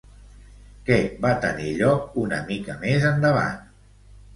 Què va tenir lloc una mica més endavant?